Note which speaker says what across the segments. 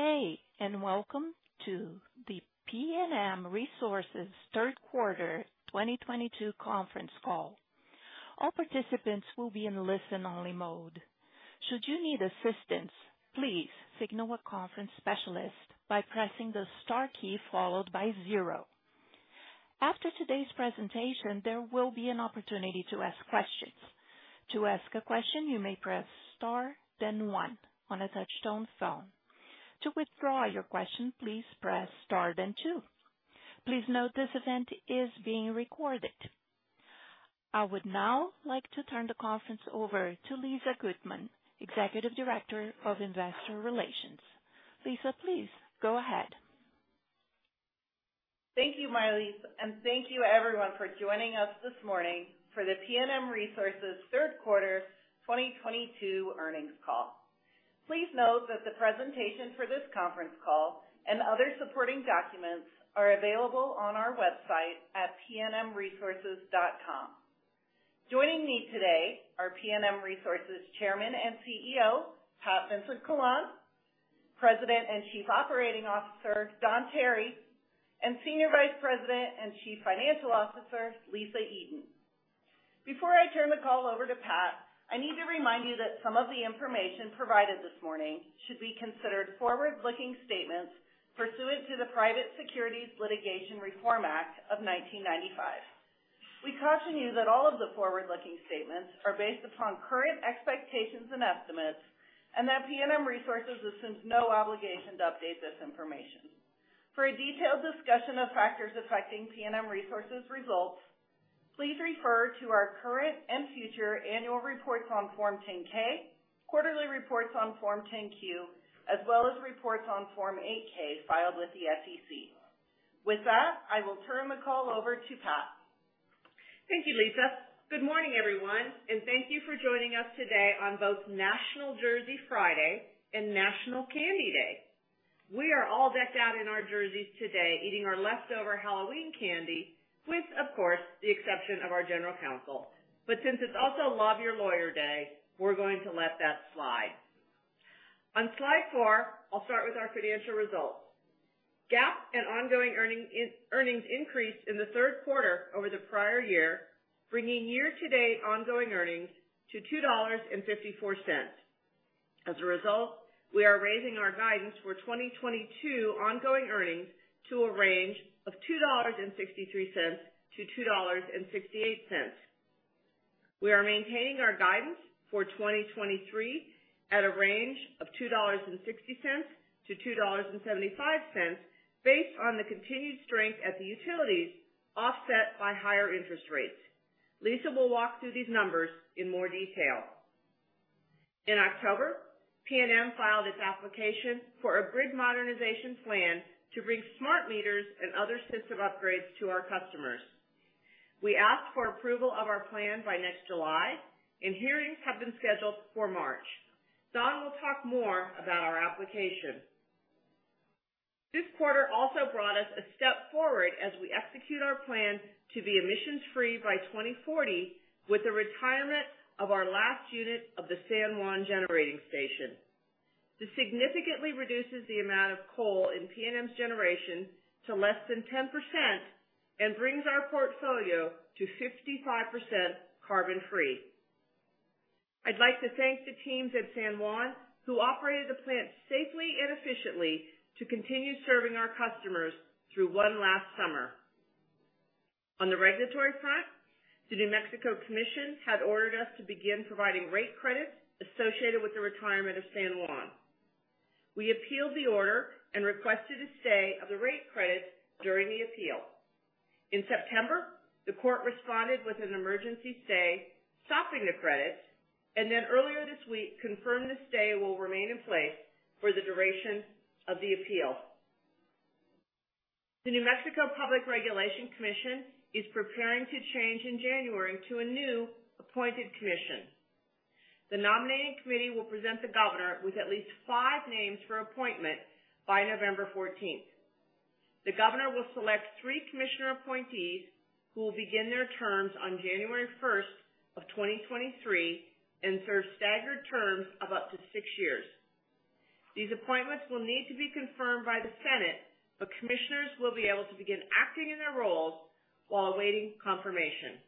Speaker 1: Good day, and welcome to the PNM Resources Q3 2022 Conference Call. All participants will be in listen-only mode. Should you need assistance, please signal a conference specialist by pressing the star key followed by zero. After today's presentation, there will be an opportunity to ask questions. To ask a question, you may press star then one on a touch-tone phone. To withdraw your question, please press star then two. Please note this event is being recorded. I would now like to turn the conference over to Lisa Goodman, Executive Director of Investor Relations. Lisa, please go ahead.
Speaker 2: Thank you, Marlise, and thank you everyone for joining us this morning for the PNM Resources Q3 2022 Earnings Call. Please note that the presentation for this conference call and other supporting documents are available on our website at pnmresources.com. Joining me today are PNM Resources Chairman and CEO, Pat Vincent-Collawn, President and Chief Operating Officer, Don Tarry, and Senior Vice President and Chief Financial Officer, Lisa Eden. Before I turn the call over to Pat, I need to remind you that some of the information provided this morning should be considered forward-looking statements pursuant to the Private Securities Litigation Reform Act of 1995. We caution you that all of the forward-looking statements are based upon current expectations and estimates, and that PNM Resources assumes no obligation to update this information. For a detailed discussion of factors affecting PNM Resources results, please refer to our current and future annual reports on Form 10-K, quarterly reports on Form 10-Q, as well as reports on Form 8-K filed with the SEC. With that, I will turn the call over to Pat.
Speaker 3: Thank you, Lisa. Good morning, everyone, and thank you for joining us today on both National Jersey Friday and National Candy Day. We are all decked out in our jerseys today, eating our leftover Halloween candy with, of course, the exception of our general counsel. Since it's also Love Your Lawyer Day, we're going to let that slide. On slide four, I'll start with our financial results. GAAP and ongoing earnings increased in the Q3 over the prior year, bringing year-to-date ongoing earnings to $2.54. As a result, we are raising our guidance for 2022 ongoing earnings to a range of $2.63-$2.68. We are maintaining our guidance for 2023 at a range of $2.60-$2.75 based on the continued strength at the utilities offset by higher interest rates. Lisa will walk through these numbers in more detail. In October, PNM filed its application for a grid modernization plan to bring smart meters and other system upgrades to our customers. We asked for approval of our plan by next July, and hearings have been scheduled for March. Don will talk more about our application. This quarter also brought us a step forward as we execute our plan to be emissions-free by 2040 with the retirement of our last unit of the San Juan Generating Station. This significantly reduces the amount of coal in PNM's generation to less than 10% and brings our portfolio to 55% carbon-free. I'd like to thank the teams at San Juan who operated the plant safely and efficiently to continue serving our customers through one last summer. On the regulatory front, the New Mexico Commission had ordered us to begin providing rate credits associated with the retirement of San Juan. We appealed the order and requested a stay of the rate credits during the appeal. In September, the court responded with an emergency stay, stopping the credits, and then earlier this week, confirmed the stay will remain in place for the duration of the appeal. The New Mexico Public Regulation Commission is preparing to change in January to a new appointed commission. The nominating committee will present the governor with at least five names for appointment by November 14th. The governor will select three commissioner appointees who will begin their terms on January 1, 2023 and serve staggered terms of up to six years. These appointments will need to be confirmed by the Senate, but commissioners will be able to begin acting in their roles while awaiting confirmation.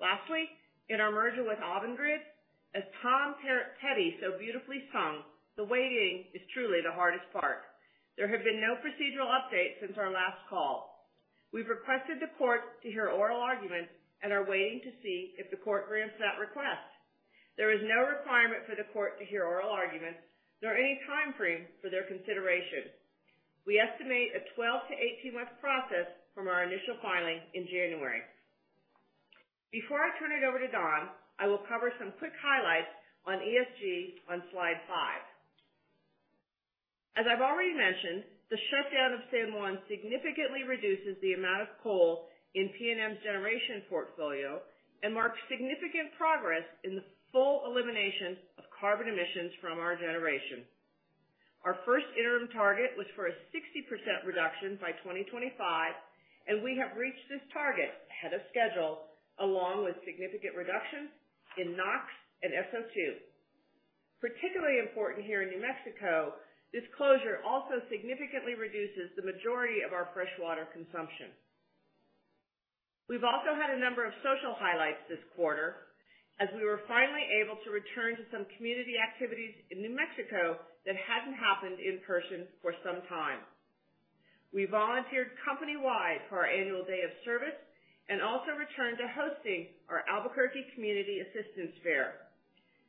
Speaker 3: Lastly, in our merger with Avangrid, as Tom Petty so beautifully sung, the waiting is truly the hardest part. There have been no procedural updates since our last call. We've requested the court to hear oral arguments and are waiting to see if the court grants that request. There is no requirement for the court to hear oral arguments, nor any timeframe for their consideration. We estimate a 12-18-month process from our initial filing in January. Before I turn it over to Don, I will cover some quick highlights on ESG on slide five. As I've already mentioned, the shutdown of San Juan significantly reduces the amount of coal in PNM's generation portfolio and marks significant progress in the full elimination of carbon emissions from our generation. Our first interim target was for a 60% reduction by 2025, and we have reached this target ahead of schedule, along with significant reductions in NOx and SO2. Particularly important here in New Mexico, this closure also significantly reduces the majority of our fresh water consumption. We've also had a number of social highlights this quarter as we were finally able to return to some community activities in New Mexico that hadn't happened in person for some time. We volunteered company-wide for our annual day of service and also returned to hosting our Albuquerque Community Assistance Fair.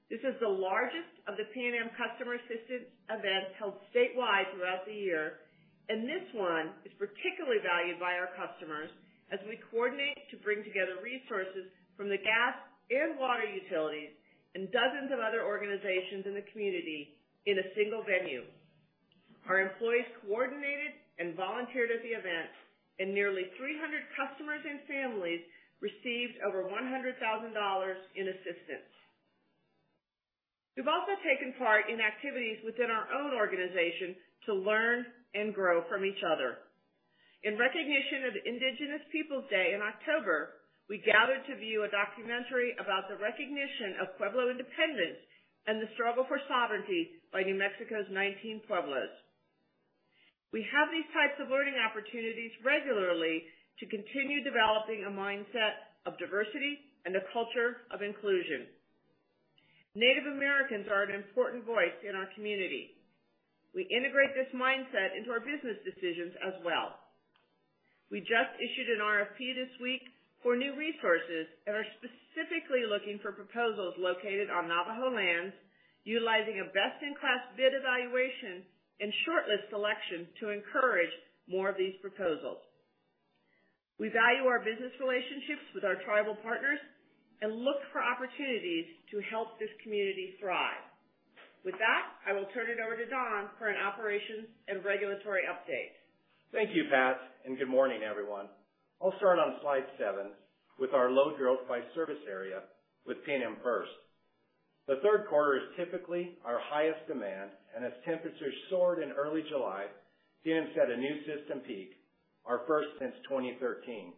Speaker 3: This is the largest of the PNM customer assistance events held statewide throughout the year, and this one is particularly valued by our customers as we coordinate to bring together resources from the gas and water utilities and dozens of other organizations in the community in a single venue. Our employees coordinated and volunteered at the event, and nearly 300 customers and families received over $100,000 in assistance. We've also taken part in activities within our own organization to learn and grow from each other. In recognition of Indigenous Peoples' Day in October, we gathered to view a documentary about the recognition of Pueblo independence and the struggle for sovereignty by New Mexico's 19 Pueblos. We have these types of learning opportunities regularly to continue developing a mindset of diversity and a culture of inclusion. Native Americans are an important voice in our community. We integrate this mindset into our business decisions as well. We just issued an RFP this week for new resources and are specifically looking for proposals located on Navajo lands utilizing a best-in-class bid evaluation and shortlist selection to encourage more of these proposals. We value our business relationships with our tribal partners and look for opportunities to help this community thrive. With that, I will turn it over to Don for an operations and regulatory update.
Speaker 4: Thank you, Pat, and good morning, everyone. I'll start on slide seven with our load growth by service area with PNM first. The Q3 is typically our highest demand, and as temperatures soared in early July, PNM set a new system peak, our first since 2013.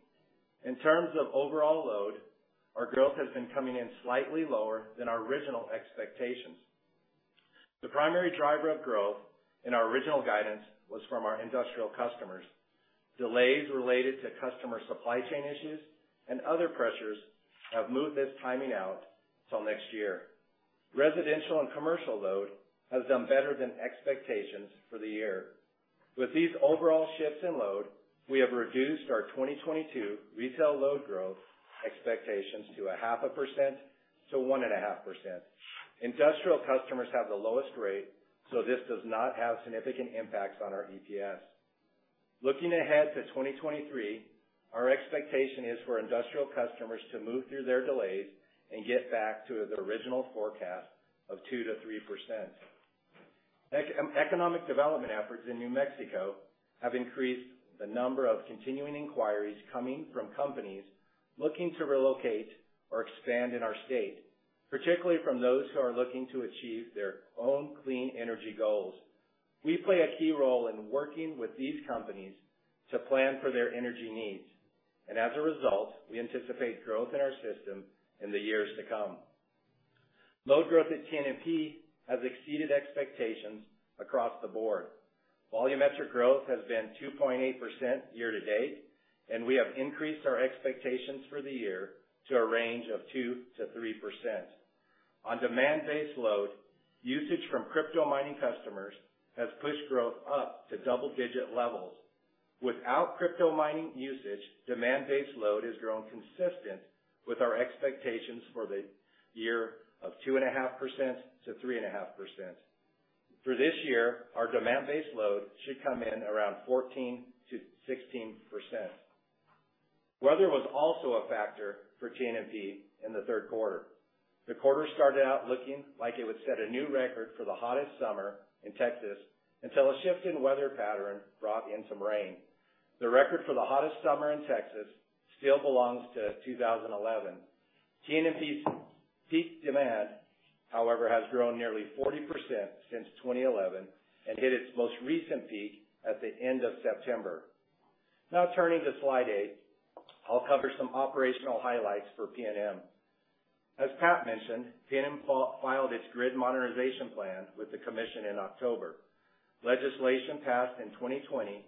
Speaker 4: In terms of overall load, our growth has been coming in slightly lower than our original expectations. The primary driver of growth in our original guidance was from our industrial customers. Delays related to customer supply chain issues and other pressures have moved this timing out till next year. Residential and commercial load has done better than expectations for the year. With these overall shifts in load, we have reduced our 2022 retail load growth expectations to 0.5%-1.5%. Industrial customers have the lowest rate, so this does not have significant impacts on our EPS. Looking ahead to 2023, our expectation is for industrial customers to move through their delays and get back to the original forecast of 2%-3%. Economic development efforts in New Mexico have increased the number of continuing inquiries coming from companies looking to relocate or expand in our state, particularly from those who are looking to achieve their own clean energy goals. We play a key role in working with these companies to plan for their energy needs. As a result, we anticipate growth in our system in the years to come. Load growth at TNMP has exceeded expectations across the board. Volumetric growth has been 2.8% year to date, and we have increased our expectations for the year to a range of 2%-3%. On demand-based load, usage from crypto mining customers has pushed growth up to double-digit levels. Without crypto mining usage, demand-based load has grown consistent with our expectations for the year of 2.5%-3.5%. For this year, our demand-based load should come in around 14%-16%. Weather was also a factor for TNMP in the Q3. The quarter started out looking like it would set a new record for the hottest summer in Texas until a shift in weather pattern brought in some rain. The record for the hottest summer in Texas still belongs to 2011. TNMP's peak demand, however, has grown nearly 40% since 2011 and hit its most recent peak at the end of September. Now turning to slide eight. I'll cover some operational highlights for PNM. As Pat mentioned, PNM filed its grid modernization plan with the commission in October. Legislation passed in 2020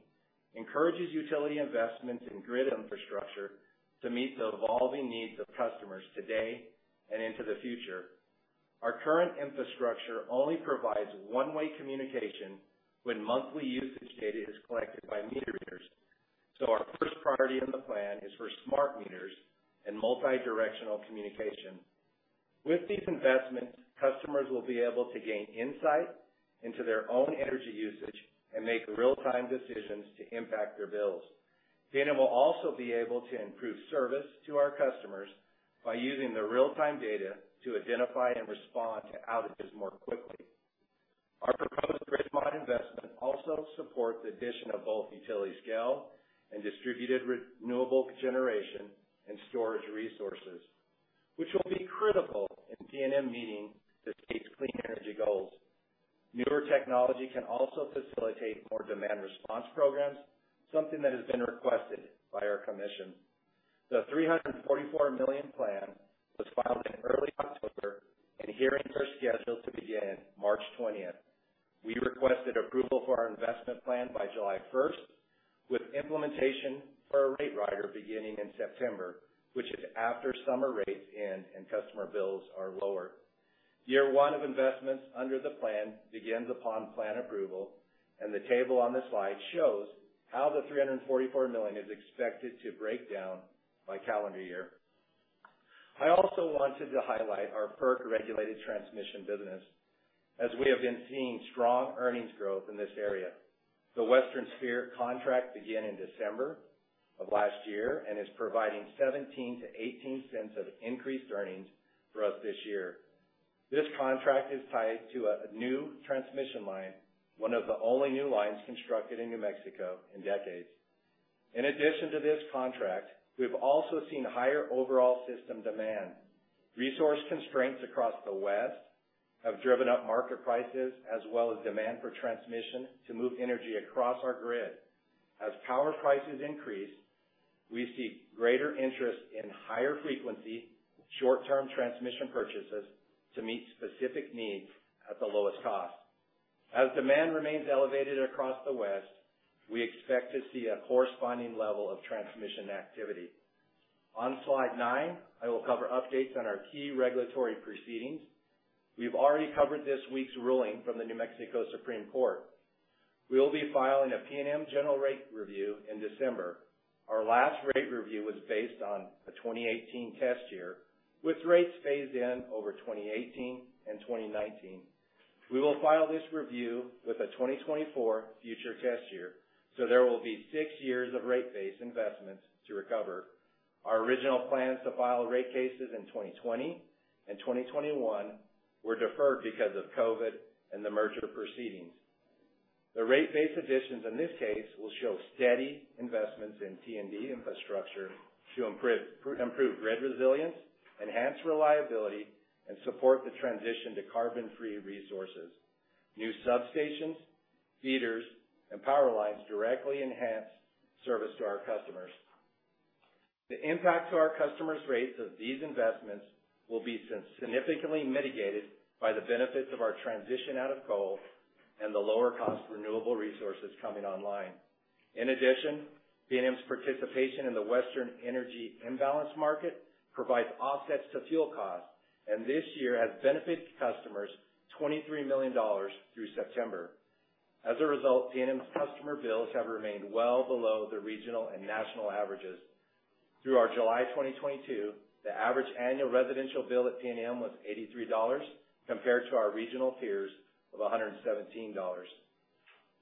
Speaker 4: encourages utility investments in grid infrastructure to meet the evolving needs of customers today and into the future. Our current infrastructure only provides one-way communication when monthly usage data is collected by meter readers, so our first priority in the plan is for smart meters and multi-directional communication. With these investments, customers will be able to gain insight into their own energy usage and make real-time decisions to impact their bills. PNM will also be able to improve service to our customers by using the real-time data to identify and respond to outages more quickly. Our proposed grid mod investment also supports the addition of both utility scale and distributed renewable generation and storage resources, which will be critical in PNM meeting the state's clean energy goals. Newer technology can also facilitate more demand response programs, something that has been requested by our commission. The $344 million plan was filed in early October and hearings are scheduled to begin March 20. We requested approval for our investment plan by July 1st, with implementation for a rate rider beginning in September, which is after summer rates end and customer bills are lower. Year one of investments under the plan begins upon plan approval, and the table on this slide shows how the $344 million is expected to break down by calendar year. I also wanted to highlight our FERC-regulated transmission business as we have been seeing strong earnings growth in this area. The Western Spirit contract began in December of last year and is providing $0.17-$0.18 of increased earnings for us this year. This contract is tied to a new transmission line, one of the only new lines constructed in New Mexico in decades. In addition to this contract, we've also seen higher overall system demand. Resource constraints across the West have driven up market prices as well as demand for transmission to move energy across our grid. As power prices increase, we see greater interest in higher frequency, short-term transmission purchases to meet specific needs at the lowest cost. As demand remains elevated across the West, we expect to see a corresponding level of transmission activity. On slide nine, I will cover updates on our key regulatory proceedings. We've already covered this week's ruling from the New Mexico Supreme Court. We'll be filing a PNM general rate review in December. Our last rate review was based on a 2018 test year, with rates phased in over 2018 and 2019. We will file this review with a 2024 future test year, so there will be six years of rate-based investments to recover. Our original plans to file rate cases in 2020 and 2021 were deferred because of COVID and the merger proceedings. The rate-based additions in this case will show steady investments in T&D infrastructure to improve grid resilience, enhance reliability, and support the transition to carbon-free resources. New substations, feeders, and power lines directly enhance service to our customers. The impact to our customers' rates of these investments will be significantly mitigated by the benefits of our transition out of coal and the lower cost renewable resources coming online. In addition, PNM's participation in the Western Energy Imbalance Market provides offsets to fuel costs, and this year has benefited customers $23 million through September. As a result, PNM's customer bills have remained well below the regional and national averages. Through July 2022, the average annual residential bill at PNM was $83 compared to our regional peers of $117.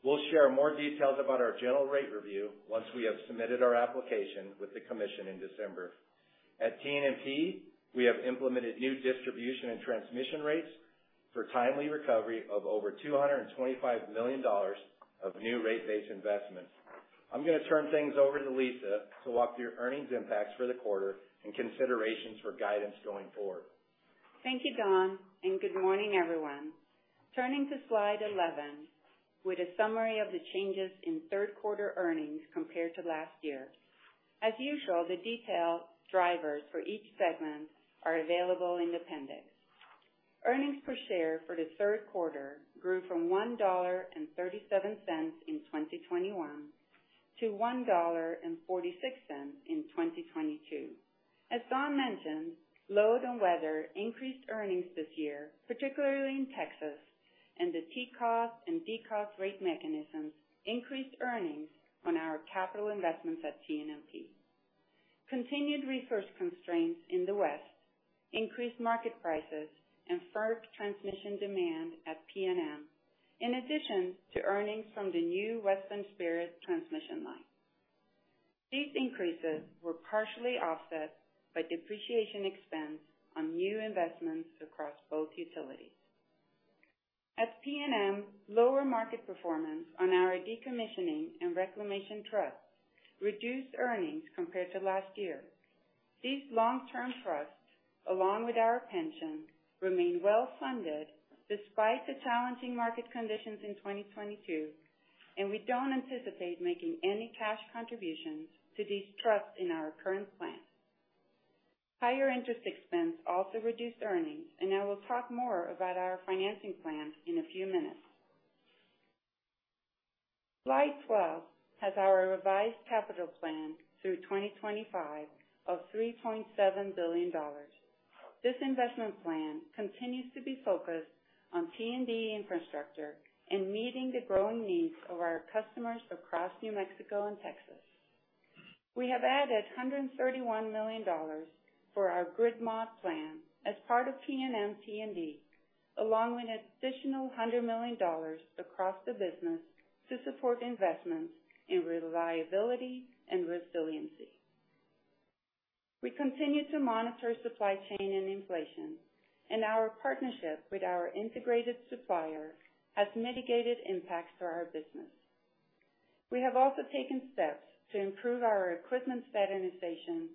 Speaker 4: We'll share more details about our general rate review once we have submitted our application with the commission in December. At TNMP, we have implemented new distribution and transmission rates for timely recovery of over $225 million of new rate-based investments. I'm gonna turn things over to Lisa to walk through earnings impacts for the quarter and considerations for guidance going forward.
Speaker 5: Thank you, Don, and good morning, everyone. Turning to slide 11, with a summary of the changes in Q3 earnings compared to last year. As usual, the detail drivers for each segment are available in appendix. Earnings per share for the Q3 grew from $1.37 in 2021 to $1.46 in 2022. As Don mentioned, load and weather increased earnings this year, particularly in Texas, and the TCOS and DCOS rate mechanisms increased earnings on our capital investments at TNMP. Continued resource constraints in the West increased market prices and FERC transmission demand at PNM, in addition to earnings from the new Western Spirit transmission line. These increases were partially offset by depreciation expense on new investments across both utilities. At PNM, lower market performance on our decommissioning and reclamation trusts reduced earnings compared to last year. These long-term trusts, along with our pension, remain well funded despite the challenging market conditions in 2022, and we don't anticipate making any cash contributions to these trusts in our current plan. Higher interest expense also reduced earnings, and I will talk more about our financing plans in a few minutes. Slide 12 has our revised capital plan through 2025 of $3.7 billion. This investment plan continues to be focused on T&D infrastructure and meeting the growing needs of our customers across New Mexico and Texas. We have added $131 million for our grid mod plan as part of PNM T&D, along with an additional $100 million across the business to support investments in reliability and resiliency. We continue to monitor supply chain and inflation, and our partnership with our integrated supplier has mitigated impacts to our business. We have also taken steps to improve our equipment standardization,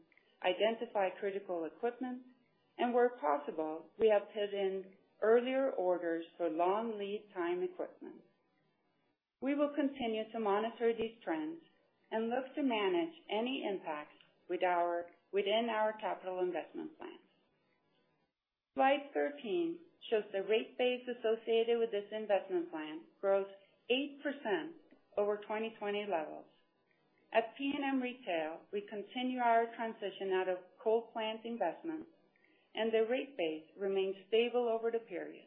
Speaker 5: identify critical equipment, and where possible, we have put in earlier orders for long lead time equipment. We will continue to monitor these trends and look to manage any impacts within our capital investment plans. Slide 13 shows the rate base associated with this investment plan grows 8% over 2020 levels. At PNM Retail, we continue our transition out of coal plant investments, and the rate base remains stable over the period.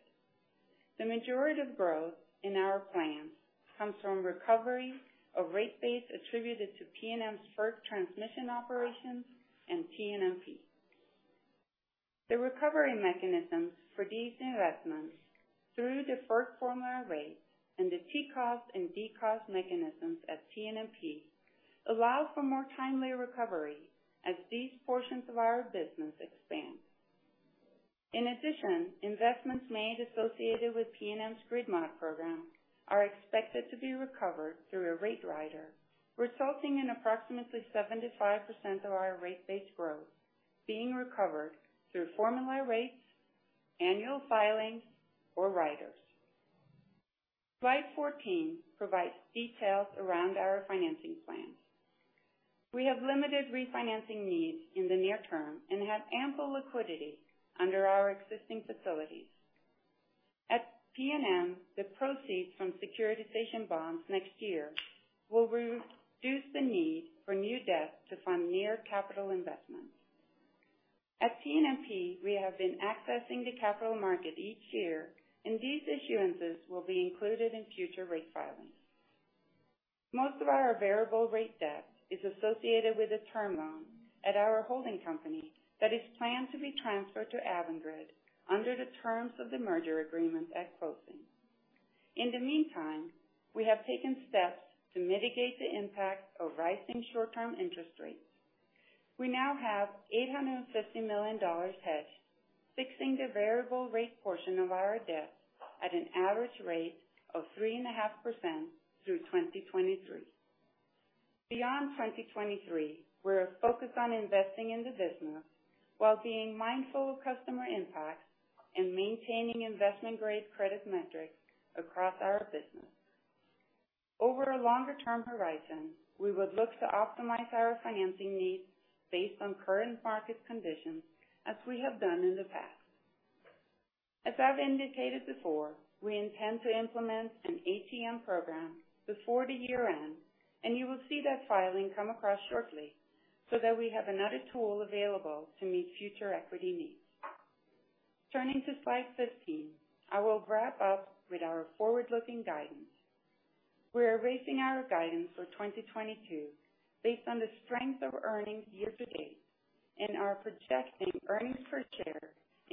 Speaker 5: The majority of growth in our plans comes from recovery of rate base attributed to PNM's FERC transmission operations and TNMP. The recovery mechanisms for these investments through deferred formula rates and the TCOS and DCOS mechanisms at PNM allow for more timely recovery as these portions of our business expand. In addition, investments made associated with PNM's Grid Mod program are expected to be recovered through a rate rider, resulting in approximately 75% of our rate base growth being recovered through formula rates, annual filings or riders. Slide 14 provides details around our financing plans. We have limited refinancing needs in the near term and have ample liquidity under our existing facilities. At PNM, the proceeds from securitization bonds next year will reduce the need for new debt to fund near capital investments. At PNM, we have been accessing the capital market each year, and these issuances will be included in future rate filings. Most of our variable rate debt is associated with a term loan at our holding company that is planned to be transferred to Avangrid under the terms of the merger agreement at closing. In the meantime, we have taken steps to mitigate the impact of rising short-term interest rates. We now have $850 million hedged, fixing the variable rate portion of our debt at an average rate of 3.5% through 2023. Beyond 2023, we're focused on investing in the business while being mindful of customer impact and maintaining investment-grade credit metrics across our business. Over a longer-term horizon, we would look to optimize our financing needs based on current market conditions as we have done in the past. As I've indicated before, we intend to implement an ATM program before the year-end, and you will see that filing come across shortly so that we have another tool available to meet future equity needs. Turning to slide 15, I will wrap up with our forward-looking guidance. We are raising our guidance for 2022 based on the strength of earnings year to date and are projecting earnings per share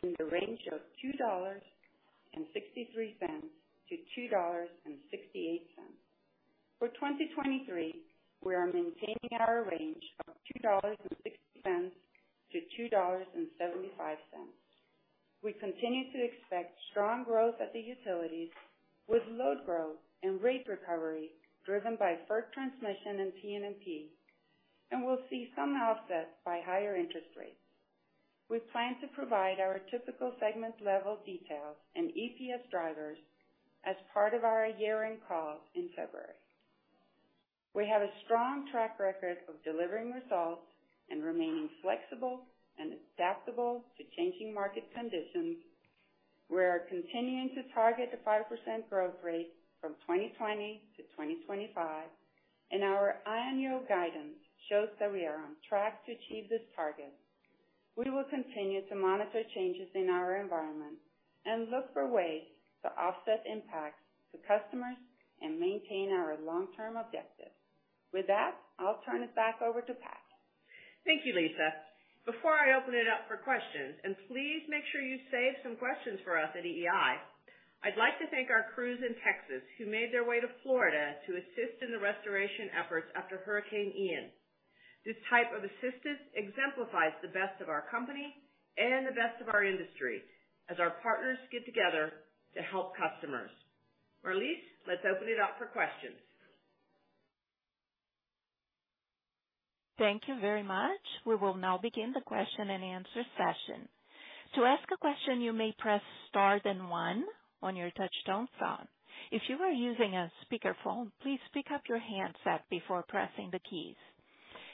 Speaker 5: in the range of $2.63-$2.68. For 2023, we are maintaining our range of $2.60-$2.75. We continue to expect strong growth at the utilities with load growth and rate recovery driven by FERC transmission and PNM, and we'll see some offset by higher interest rates. We plan to provide our typical segment-level details and EPS drivers as part of our year-end call in February. We have a strong track record of delivering results and remaining flexible and adaptable to changing market conditions. We are continuing to target the 5% growth rate from 2020 to 2025, and our annual guidance shows that we are on track to achieve this target. We will continue to monitor changes in our environment and look for ways to offset impacts to customers and maintain our long-term objectives. With that, I'll turn it back over to Pat.
Speaker 3: Thank you, Lisa. Before I open it up for questions, and please make sure you save some questions for us at EEI, I'd like to thank our crews in Texas who made their way to Florida to assist in the restoration efforts after Hurricane Ian. This type of assistance exemplifies the best of our company and the best of our industry as our partners get together to help customers. Marlise, let's open it up for questions.
Speaker 1: Thank you very much. We will now begin the question-and-answer session. To ask a question, you may press star then one on your touch-tone phone. If you are using a speakerphone, please pick up your handset before pressing the keys.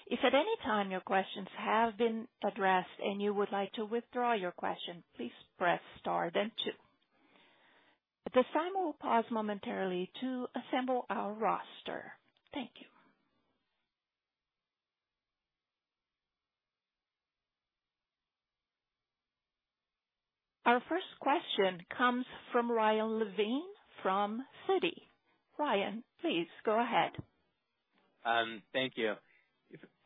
Speaker 1: If at any time your questions have been addressed and you would like to withdraw your question, please press star then two. At this time, we'll pause momentarily to assemble our roster. Thank you. Our first question comes from Ryan Levine from Citi. Ryan, please go ahead.
Speaker 6: Thank you.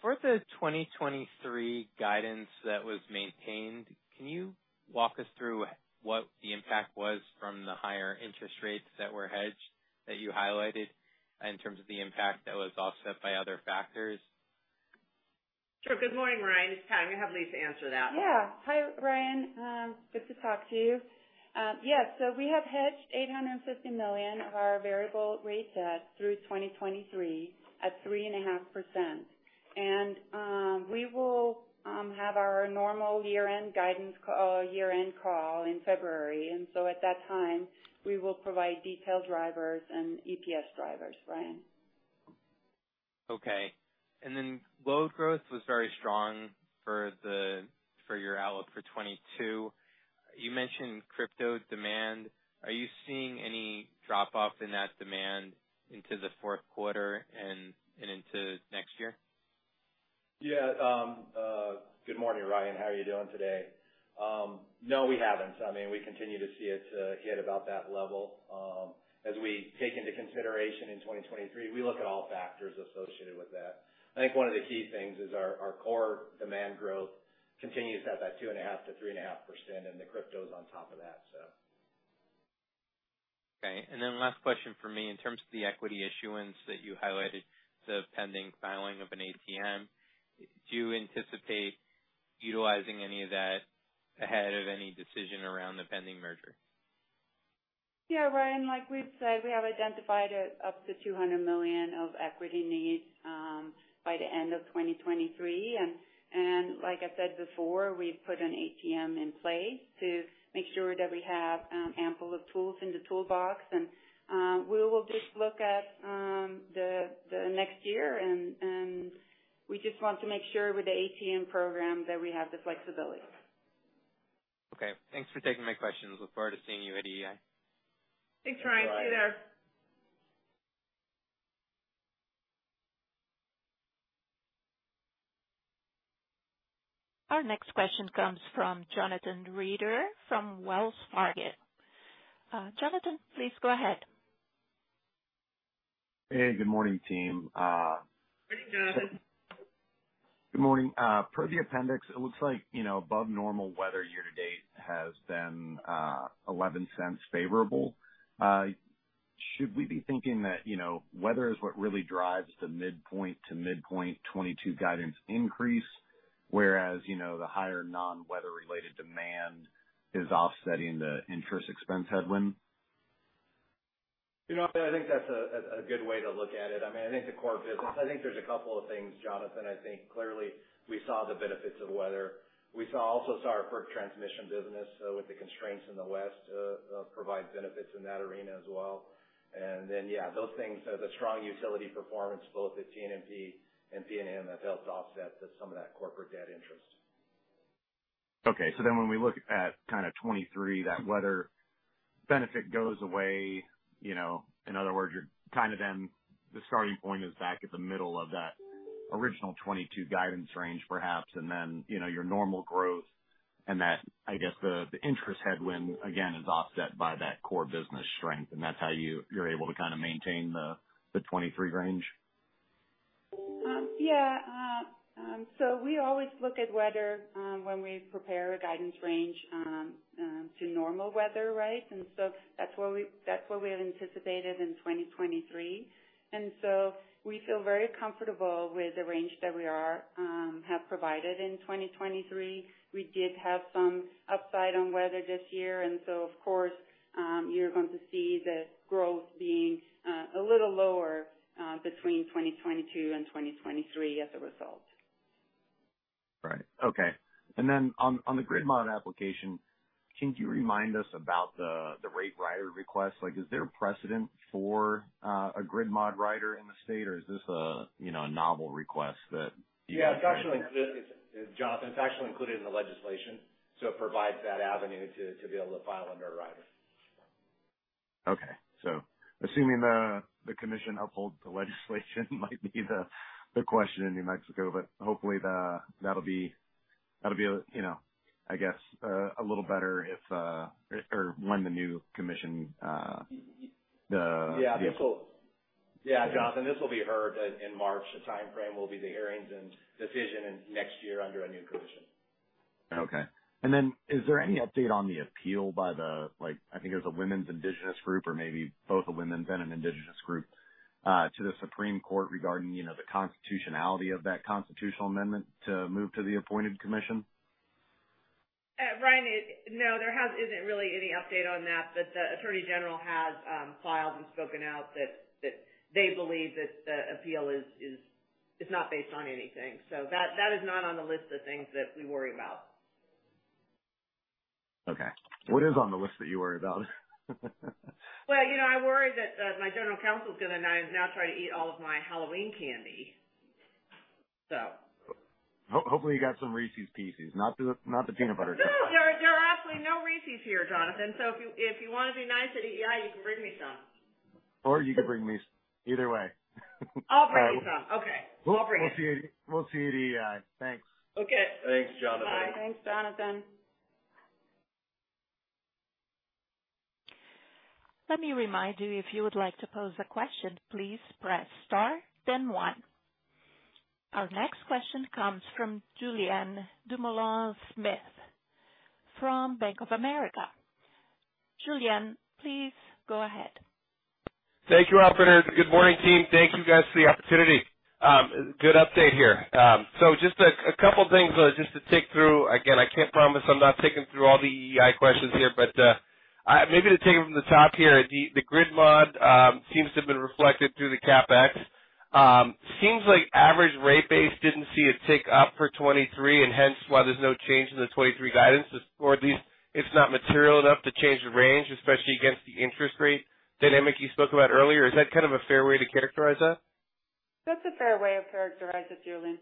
Speaker 6: For the 2023 guidance that was maintained, can you walk us through what the impact was from the higher interest rates that were hedged that you highlighted in terms of the impact that was offset by other factors?
Speaker 3: Sure. Good morning, Ryan. It's Pat. I'm going to have Lisa answer that one.
Speaker 5: Yeah. Hi, Ryan. Good to talk to you. Yeah, so we have hedged $850 million of our variable rate debt through 2023 at 3.5%. We will have our normal year-end guidance call in February, and so at that time, we will provide detailed drivers and EPS drivers, Ryan.
Speaker 6: Okay. Load growth was very strong for your outlook for 2022. You mentioned crypto demand. Are you seeing any drop-off in that demand into the Q4 and into next year?
Speaker 4: Yeah. Good morning, Ryan. How are you doing today? No, we haven't. I mean, we continue to see it hit about that level as we take into consideration in 2023, we look at all factors associated with that. I think one of the key things is our core demand growth continues at that 2.5%-3.5%, and the crypto is on top of that, so.
Speaker 6: Okay. Last question from me. In terms of the equity issuance that you highlighted, the pending filing of an ATM. Do you anticipate utilizing any of that ahead of any decision around the pending merger?
Speaker 5: Yeah, Ryan, like we've said, we have identified up to $200 million of equity needs by the end of 2023. Like I said before, we've put an ATM in place to make sure that we have ample of tools in the toolbox. We will just look at the next year and we just want to make sure with the ATM program that we have the flexibility.
Speaker 6: Okay. Thanks for taking my questions. Look forward to seeing you at EEI.
Speaker 5: Thanks, Ryan. See you there.
Speaker 4: Thanks, Ryan.
Speaker 1: Our next question comes from Jonathan Reeder from Wells Fargo. Jonathan, please go ahead.
Speaker 7: Hey, good morning, team.
Speaker 3: Good morning, Jonathan.
Speaker 7: Good morning. Per the appendix, it looks like, you know, above normal weather year to date has been $0.11 favorable. Should we be thinking that, you know, weather is what really drives the midpoint to midpoint 2022 guidance increase, whereas, you know, the higher non-weather related demand is offsetting the interest expense headwind?
Speaker 4: You know, I think that's a good way to look at it. I mean, I think the core business. I think there's a couple of things, Jonathan. I think clearly we saw the benefits of weather. We saw our FERC transmission business with the constraints in the West provide benefits in that arena as well. Yeah, those things, the strong utility performance both at TNMP and PNM, that helped offset some of that corporate debt interest.
Speaker 7: Okay. When we look at kind of 2023, that weather benefit goes away, you know. In other words, you're kind of then the starting point is back at the middle of that original 2022 guidance range, perhaps. You know, your normal growth and that, I guess, the interest headwind again is offset by that core business strength, and that's how you're able to kind of maintain the 2023 range.
Speaker 5: Yeah. We always look at weather when we prepare a guidance range to normal weather, right? That's what we had anticipated in 2023. We feel very comfortable with the range that we have provided in 2023. We did have some upside on weather this year, and so of course, you're going to see the growth being a little lower between 2022 and 2023 as a result.
Speaker 7: Right. Okay. On the grid mod application, can you remind us about the rate rider request? Like, is there a precedent for a grid mod rider in the state, or is this a, you know, a novel request that?
Speaker 4: Yeah. It's actually included. Jonathan, it's actually included in the legislation, so it provides that avenue to be able to file under a rider.
Speaker 7: Okay. Assuming the commission upholds the legislation might be the question in New Mexico, but hopefully that'll be, you know, I guess a little better if or when the new commission.
Speaker 4: Yeah, Jonathan, this will be heard in March. The timeframe will be the hearings and decision in next year under a new commission.
Speaker 7: Okay. Is there any update on the appeal by the, like, I think it was a women's Indigenous group, or maybe both a women's and an Indigenous group, to the Supreme Court regarding, you know, the constitutionality of that constitutional amendment to move to the appointed commission?
Speaker 3: Ryan, there isn't really any update on that. The attorney general has filed and spoken out that they believe that the appeal is not based on anything. That is not on the list of things that we worry about.
Speaker 7: Okay. What is on the list that you worry about?
Speaker 3: Well, you know, I worry that my general counsel is gonna now try to eat all of my Halloween candy, so.
Speaker 7: Hopefully you got some Reese's Pieces, not the peanut butter cup.
Speaker 3: No, there are absolutely no Reese's here, Jonathan. So if you want to be nice at EEI, you can bring me some.
Speaker 7: You can bring me some. Either way.
Speaker 3: I'll bring some. Okay. I'll bring some.
Speaker 7: We'll see you at EEI. Thanks.
Speaker 3: Okay. Thanks, Jonathan.
Speaker 5: Bye. Thanks, Jonathan.
Speaker 1: Let me remind you, if you would like to pose a question, please press star then one. Our next question comes from Julien Dumoulin-Smith from Bank of America. Julien, please go ahead.
Speaker 8: Thank you, operator. Good morning, team. Thank you guys for the opportunity. Good update here. So just a couple things, just to tick through. Again, I can't promise I'm not ticking through all the EEI questions here. Maybe to take it from the top here. The grid mod seems to have been reflected through the CapEx. Seems like average rate base didn't see a tick up for 2023 and hence why there's no change in the 2023 guidance, or at least it's not material enough to change the range, especially against the interest rate dynamic you spoke about earlier. Is that kind of a fair way to characterize that?
Speaker 3: That's a fair way of characterizing it, Julien.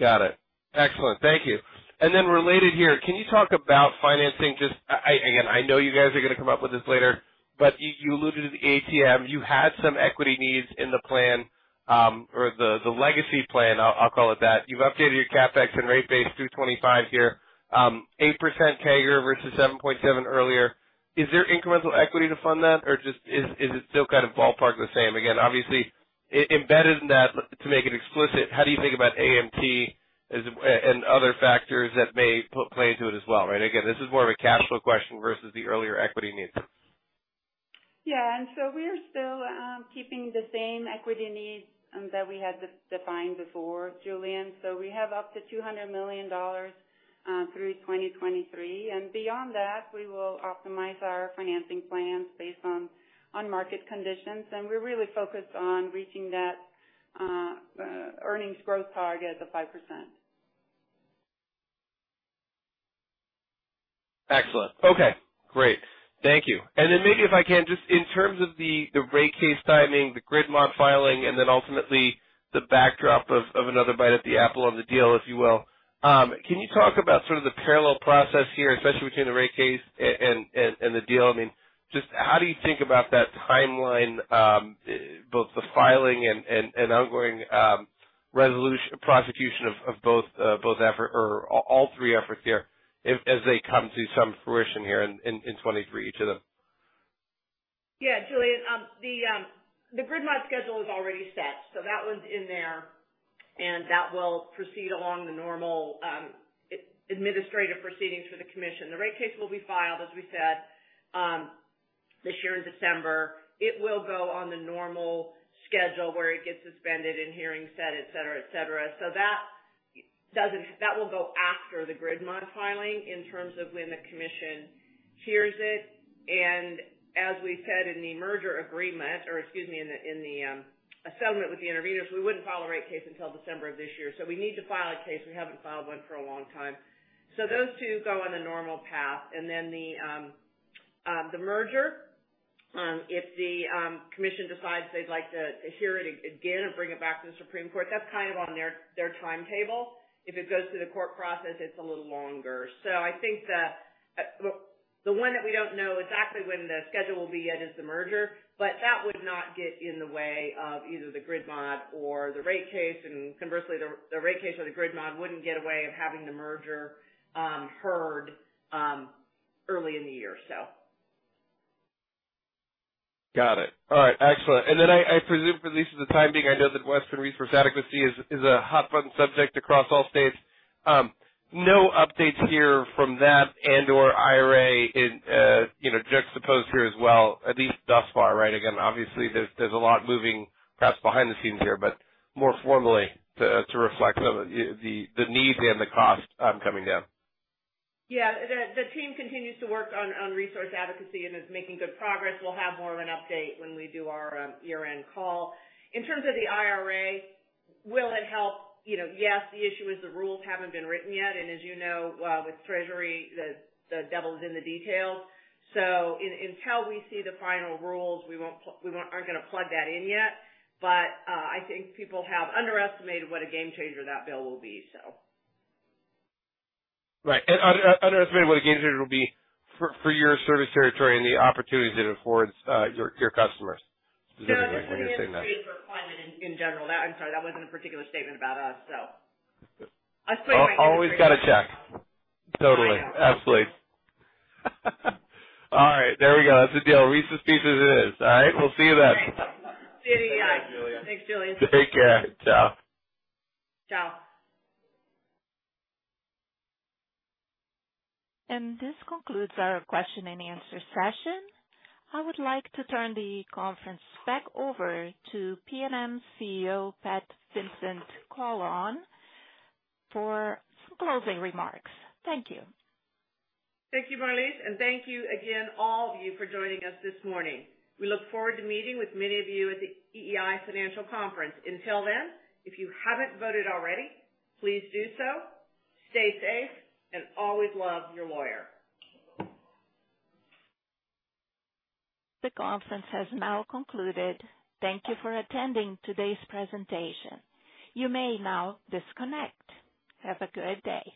Speaker 8: Got it. Excellent. Thank you. Related here, can you talk about financing? Just, again, I know you guys are going to come up with this later, but you alluded to the ATM. You had some equity needs in the plan, or the legacy plan. I'll call it that. You've updated your CapEx and rate base through 25 here. 8% CAGR versus 7.7% earlier. Is there incremental equity to fund that or just is it still kind of ballpark the same? Again, obviously it's embedded in that to make it explicit, how do you think about AMT as a part and other factors that may play into it as well, right? Again, this is more of a cash flow question versus the earlier equity needs.
Speaker 5: We're still keeping the same equity needs that we had defined before, Julien. We have up to $200 million through 2023. Beyond that, we will optimize our financing plans based on market conditions. We're really focused on reaching that earnings growth target of 5%.
Speaker 8: Excellent. Okay, great. Thank you. Then maybe if I can, just in terms of the rate case timing, the grid mod filing, and then ultimately the backdrop of another bite at the apple of the deal, if you will. Can you talk about sort of the parallel process here, especially between the rate case and the deal? I mean, just how do you think about that timeline, both the filing and ongoing prosecution of both efforts or all three efforts here as they come to some fruition here in 2023, each of them?
Speaker 3: Yeah. Julien, the grid mod schedule is already set, so that one's in there, and that will proceed along the normal administrative proceedings for the commission. The rate case will be filed, as we said, this year in December. It will go on the normal schedule where it gets suspended and hearings set, et cetera. That will go after the grid mod filing in terms of when the commission hears it. As we said in the merger agreement, or excuse me, in the settlement with the intervenors, we wouldn't file a rate case until December of this year. We need to file a case. We haven't filed one for a long time. Those two go on a normal path. Then the merger. If the commission decides they'd like to hear it again and bring it back to the Supreme Court, that's kind of on their timetable. If it goes through the court process, it's a little longer. I think the one that we don't know exactly when the schedule will be yet is the merger. That would not get in the way of either the grid mod or the rate case. Conversely, the rate case or the grid mod wouldn't get in the way of having the merger heard early in the year.
Speaker 8: Got it. All right, excellent. I presume for at least the time being, I know that Western Resource Advocates is a hot button subject across all states. No updates here from that and/or IRA, you know, juxtaposed here as well, at least thus far, right? Again, obviously, there's a lot moving perhaps behind the scenes here, but more formally to reflect on the need and the cost coming down.
Speaker 3: Yeah. The team continues to work on resource advocacy and is making good progress. We'll have more of an update when we do our year-end call. In terms of the IRA, will it help? You know, yes, the issue is the rules haven't been written yet. As you know, with Treasury, the devil's in the details. Until we see the final rules, we aren't going to plug that in yet. But I think people have underestimated what a game changer that bill will be, so.
Speaker 8: Right. Underestimated what a game changer it will be for your service territory and the opportunities it affords, your customers. Is that a fair way of saying that?
Speaker 3: No, I think it's a game changer for climate in general. I'm sorry, that wasn't a particular statement about us, so.
Speaker 8: Always gotta check. Totally.
Speaker 3: I know.
Speaker 8: Absolutely. All right, there we go. That's the deal. Reese's Pieces it is. All right, we'll see you then.
Speaker 3: Great. See you. Yeah.
Speaker 1: Thanks, Julien.
Speaker 3: Thanks, Julien.
Speaker 8: Take care. Ciao.
Speaker 3: Ciao.
Speaker 1: This concludes our question and answer session. I would like to turn the conference back over to PNM CEO Pat Vincent-Collawn for some closing remarks. Thank you.
Speaker 3: Thank you, Marlise, and thank you again, all of you, for joining us this morning. We look forward to meeting with many of you at the EEI Financial Conference. Until then, if you haven't voted already, please do so. Stay safe and always love your lawyer.
Speaker 1: The conference has now concluded. Thank you for attending today's presentation. You may now disconnect. Have a good day.